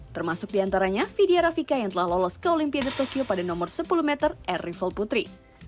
termasuk diantaranya vidya rafika yang telah lolos ke olimpiade tokyo pada nomor sepuluh meter air rival putri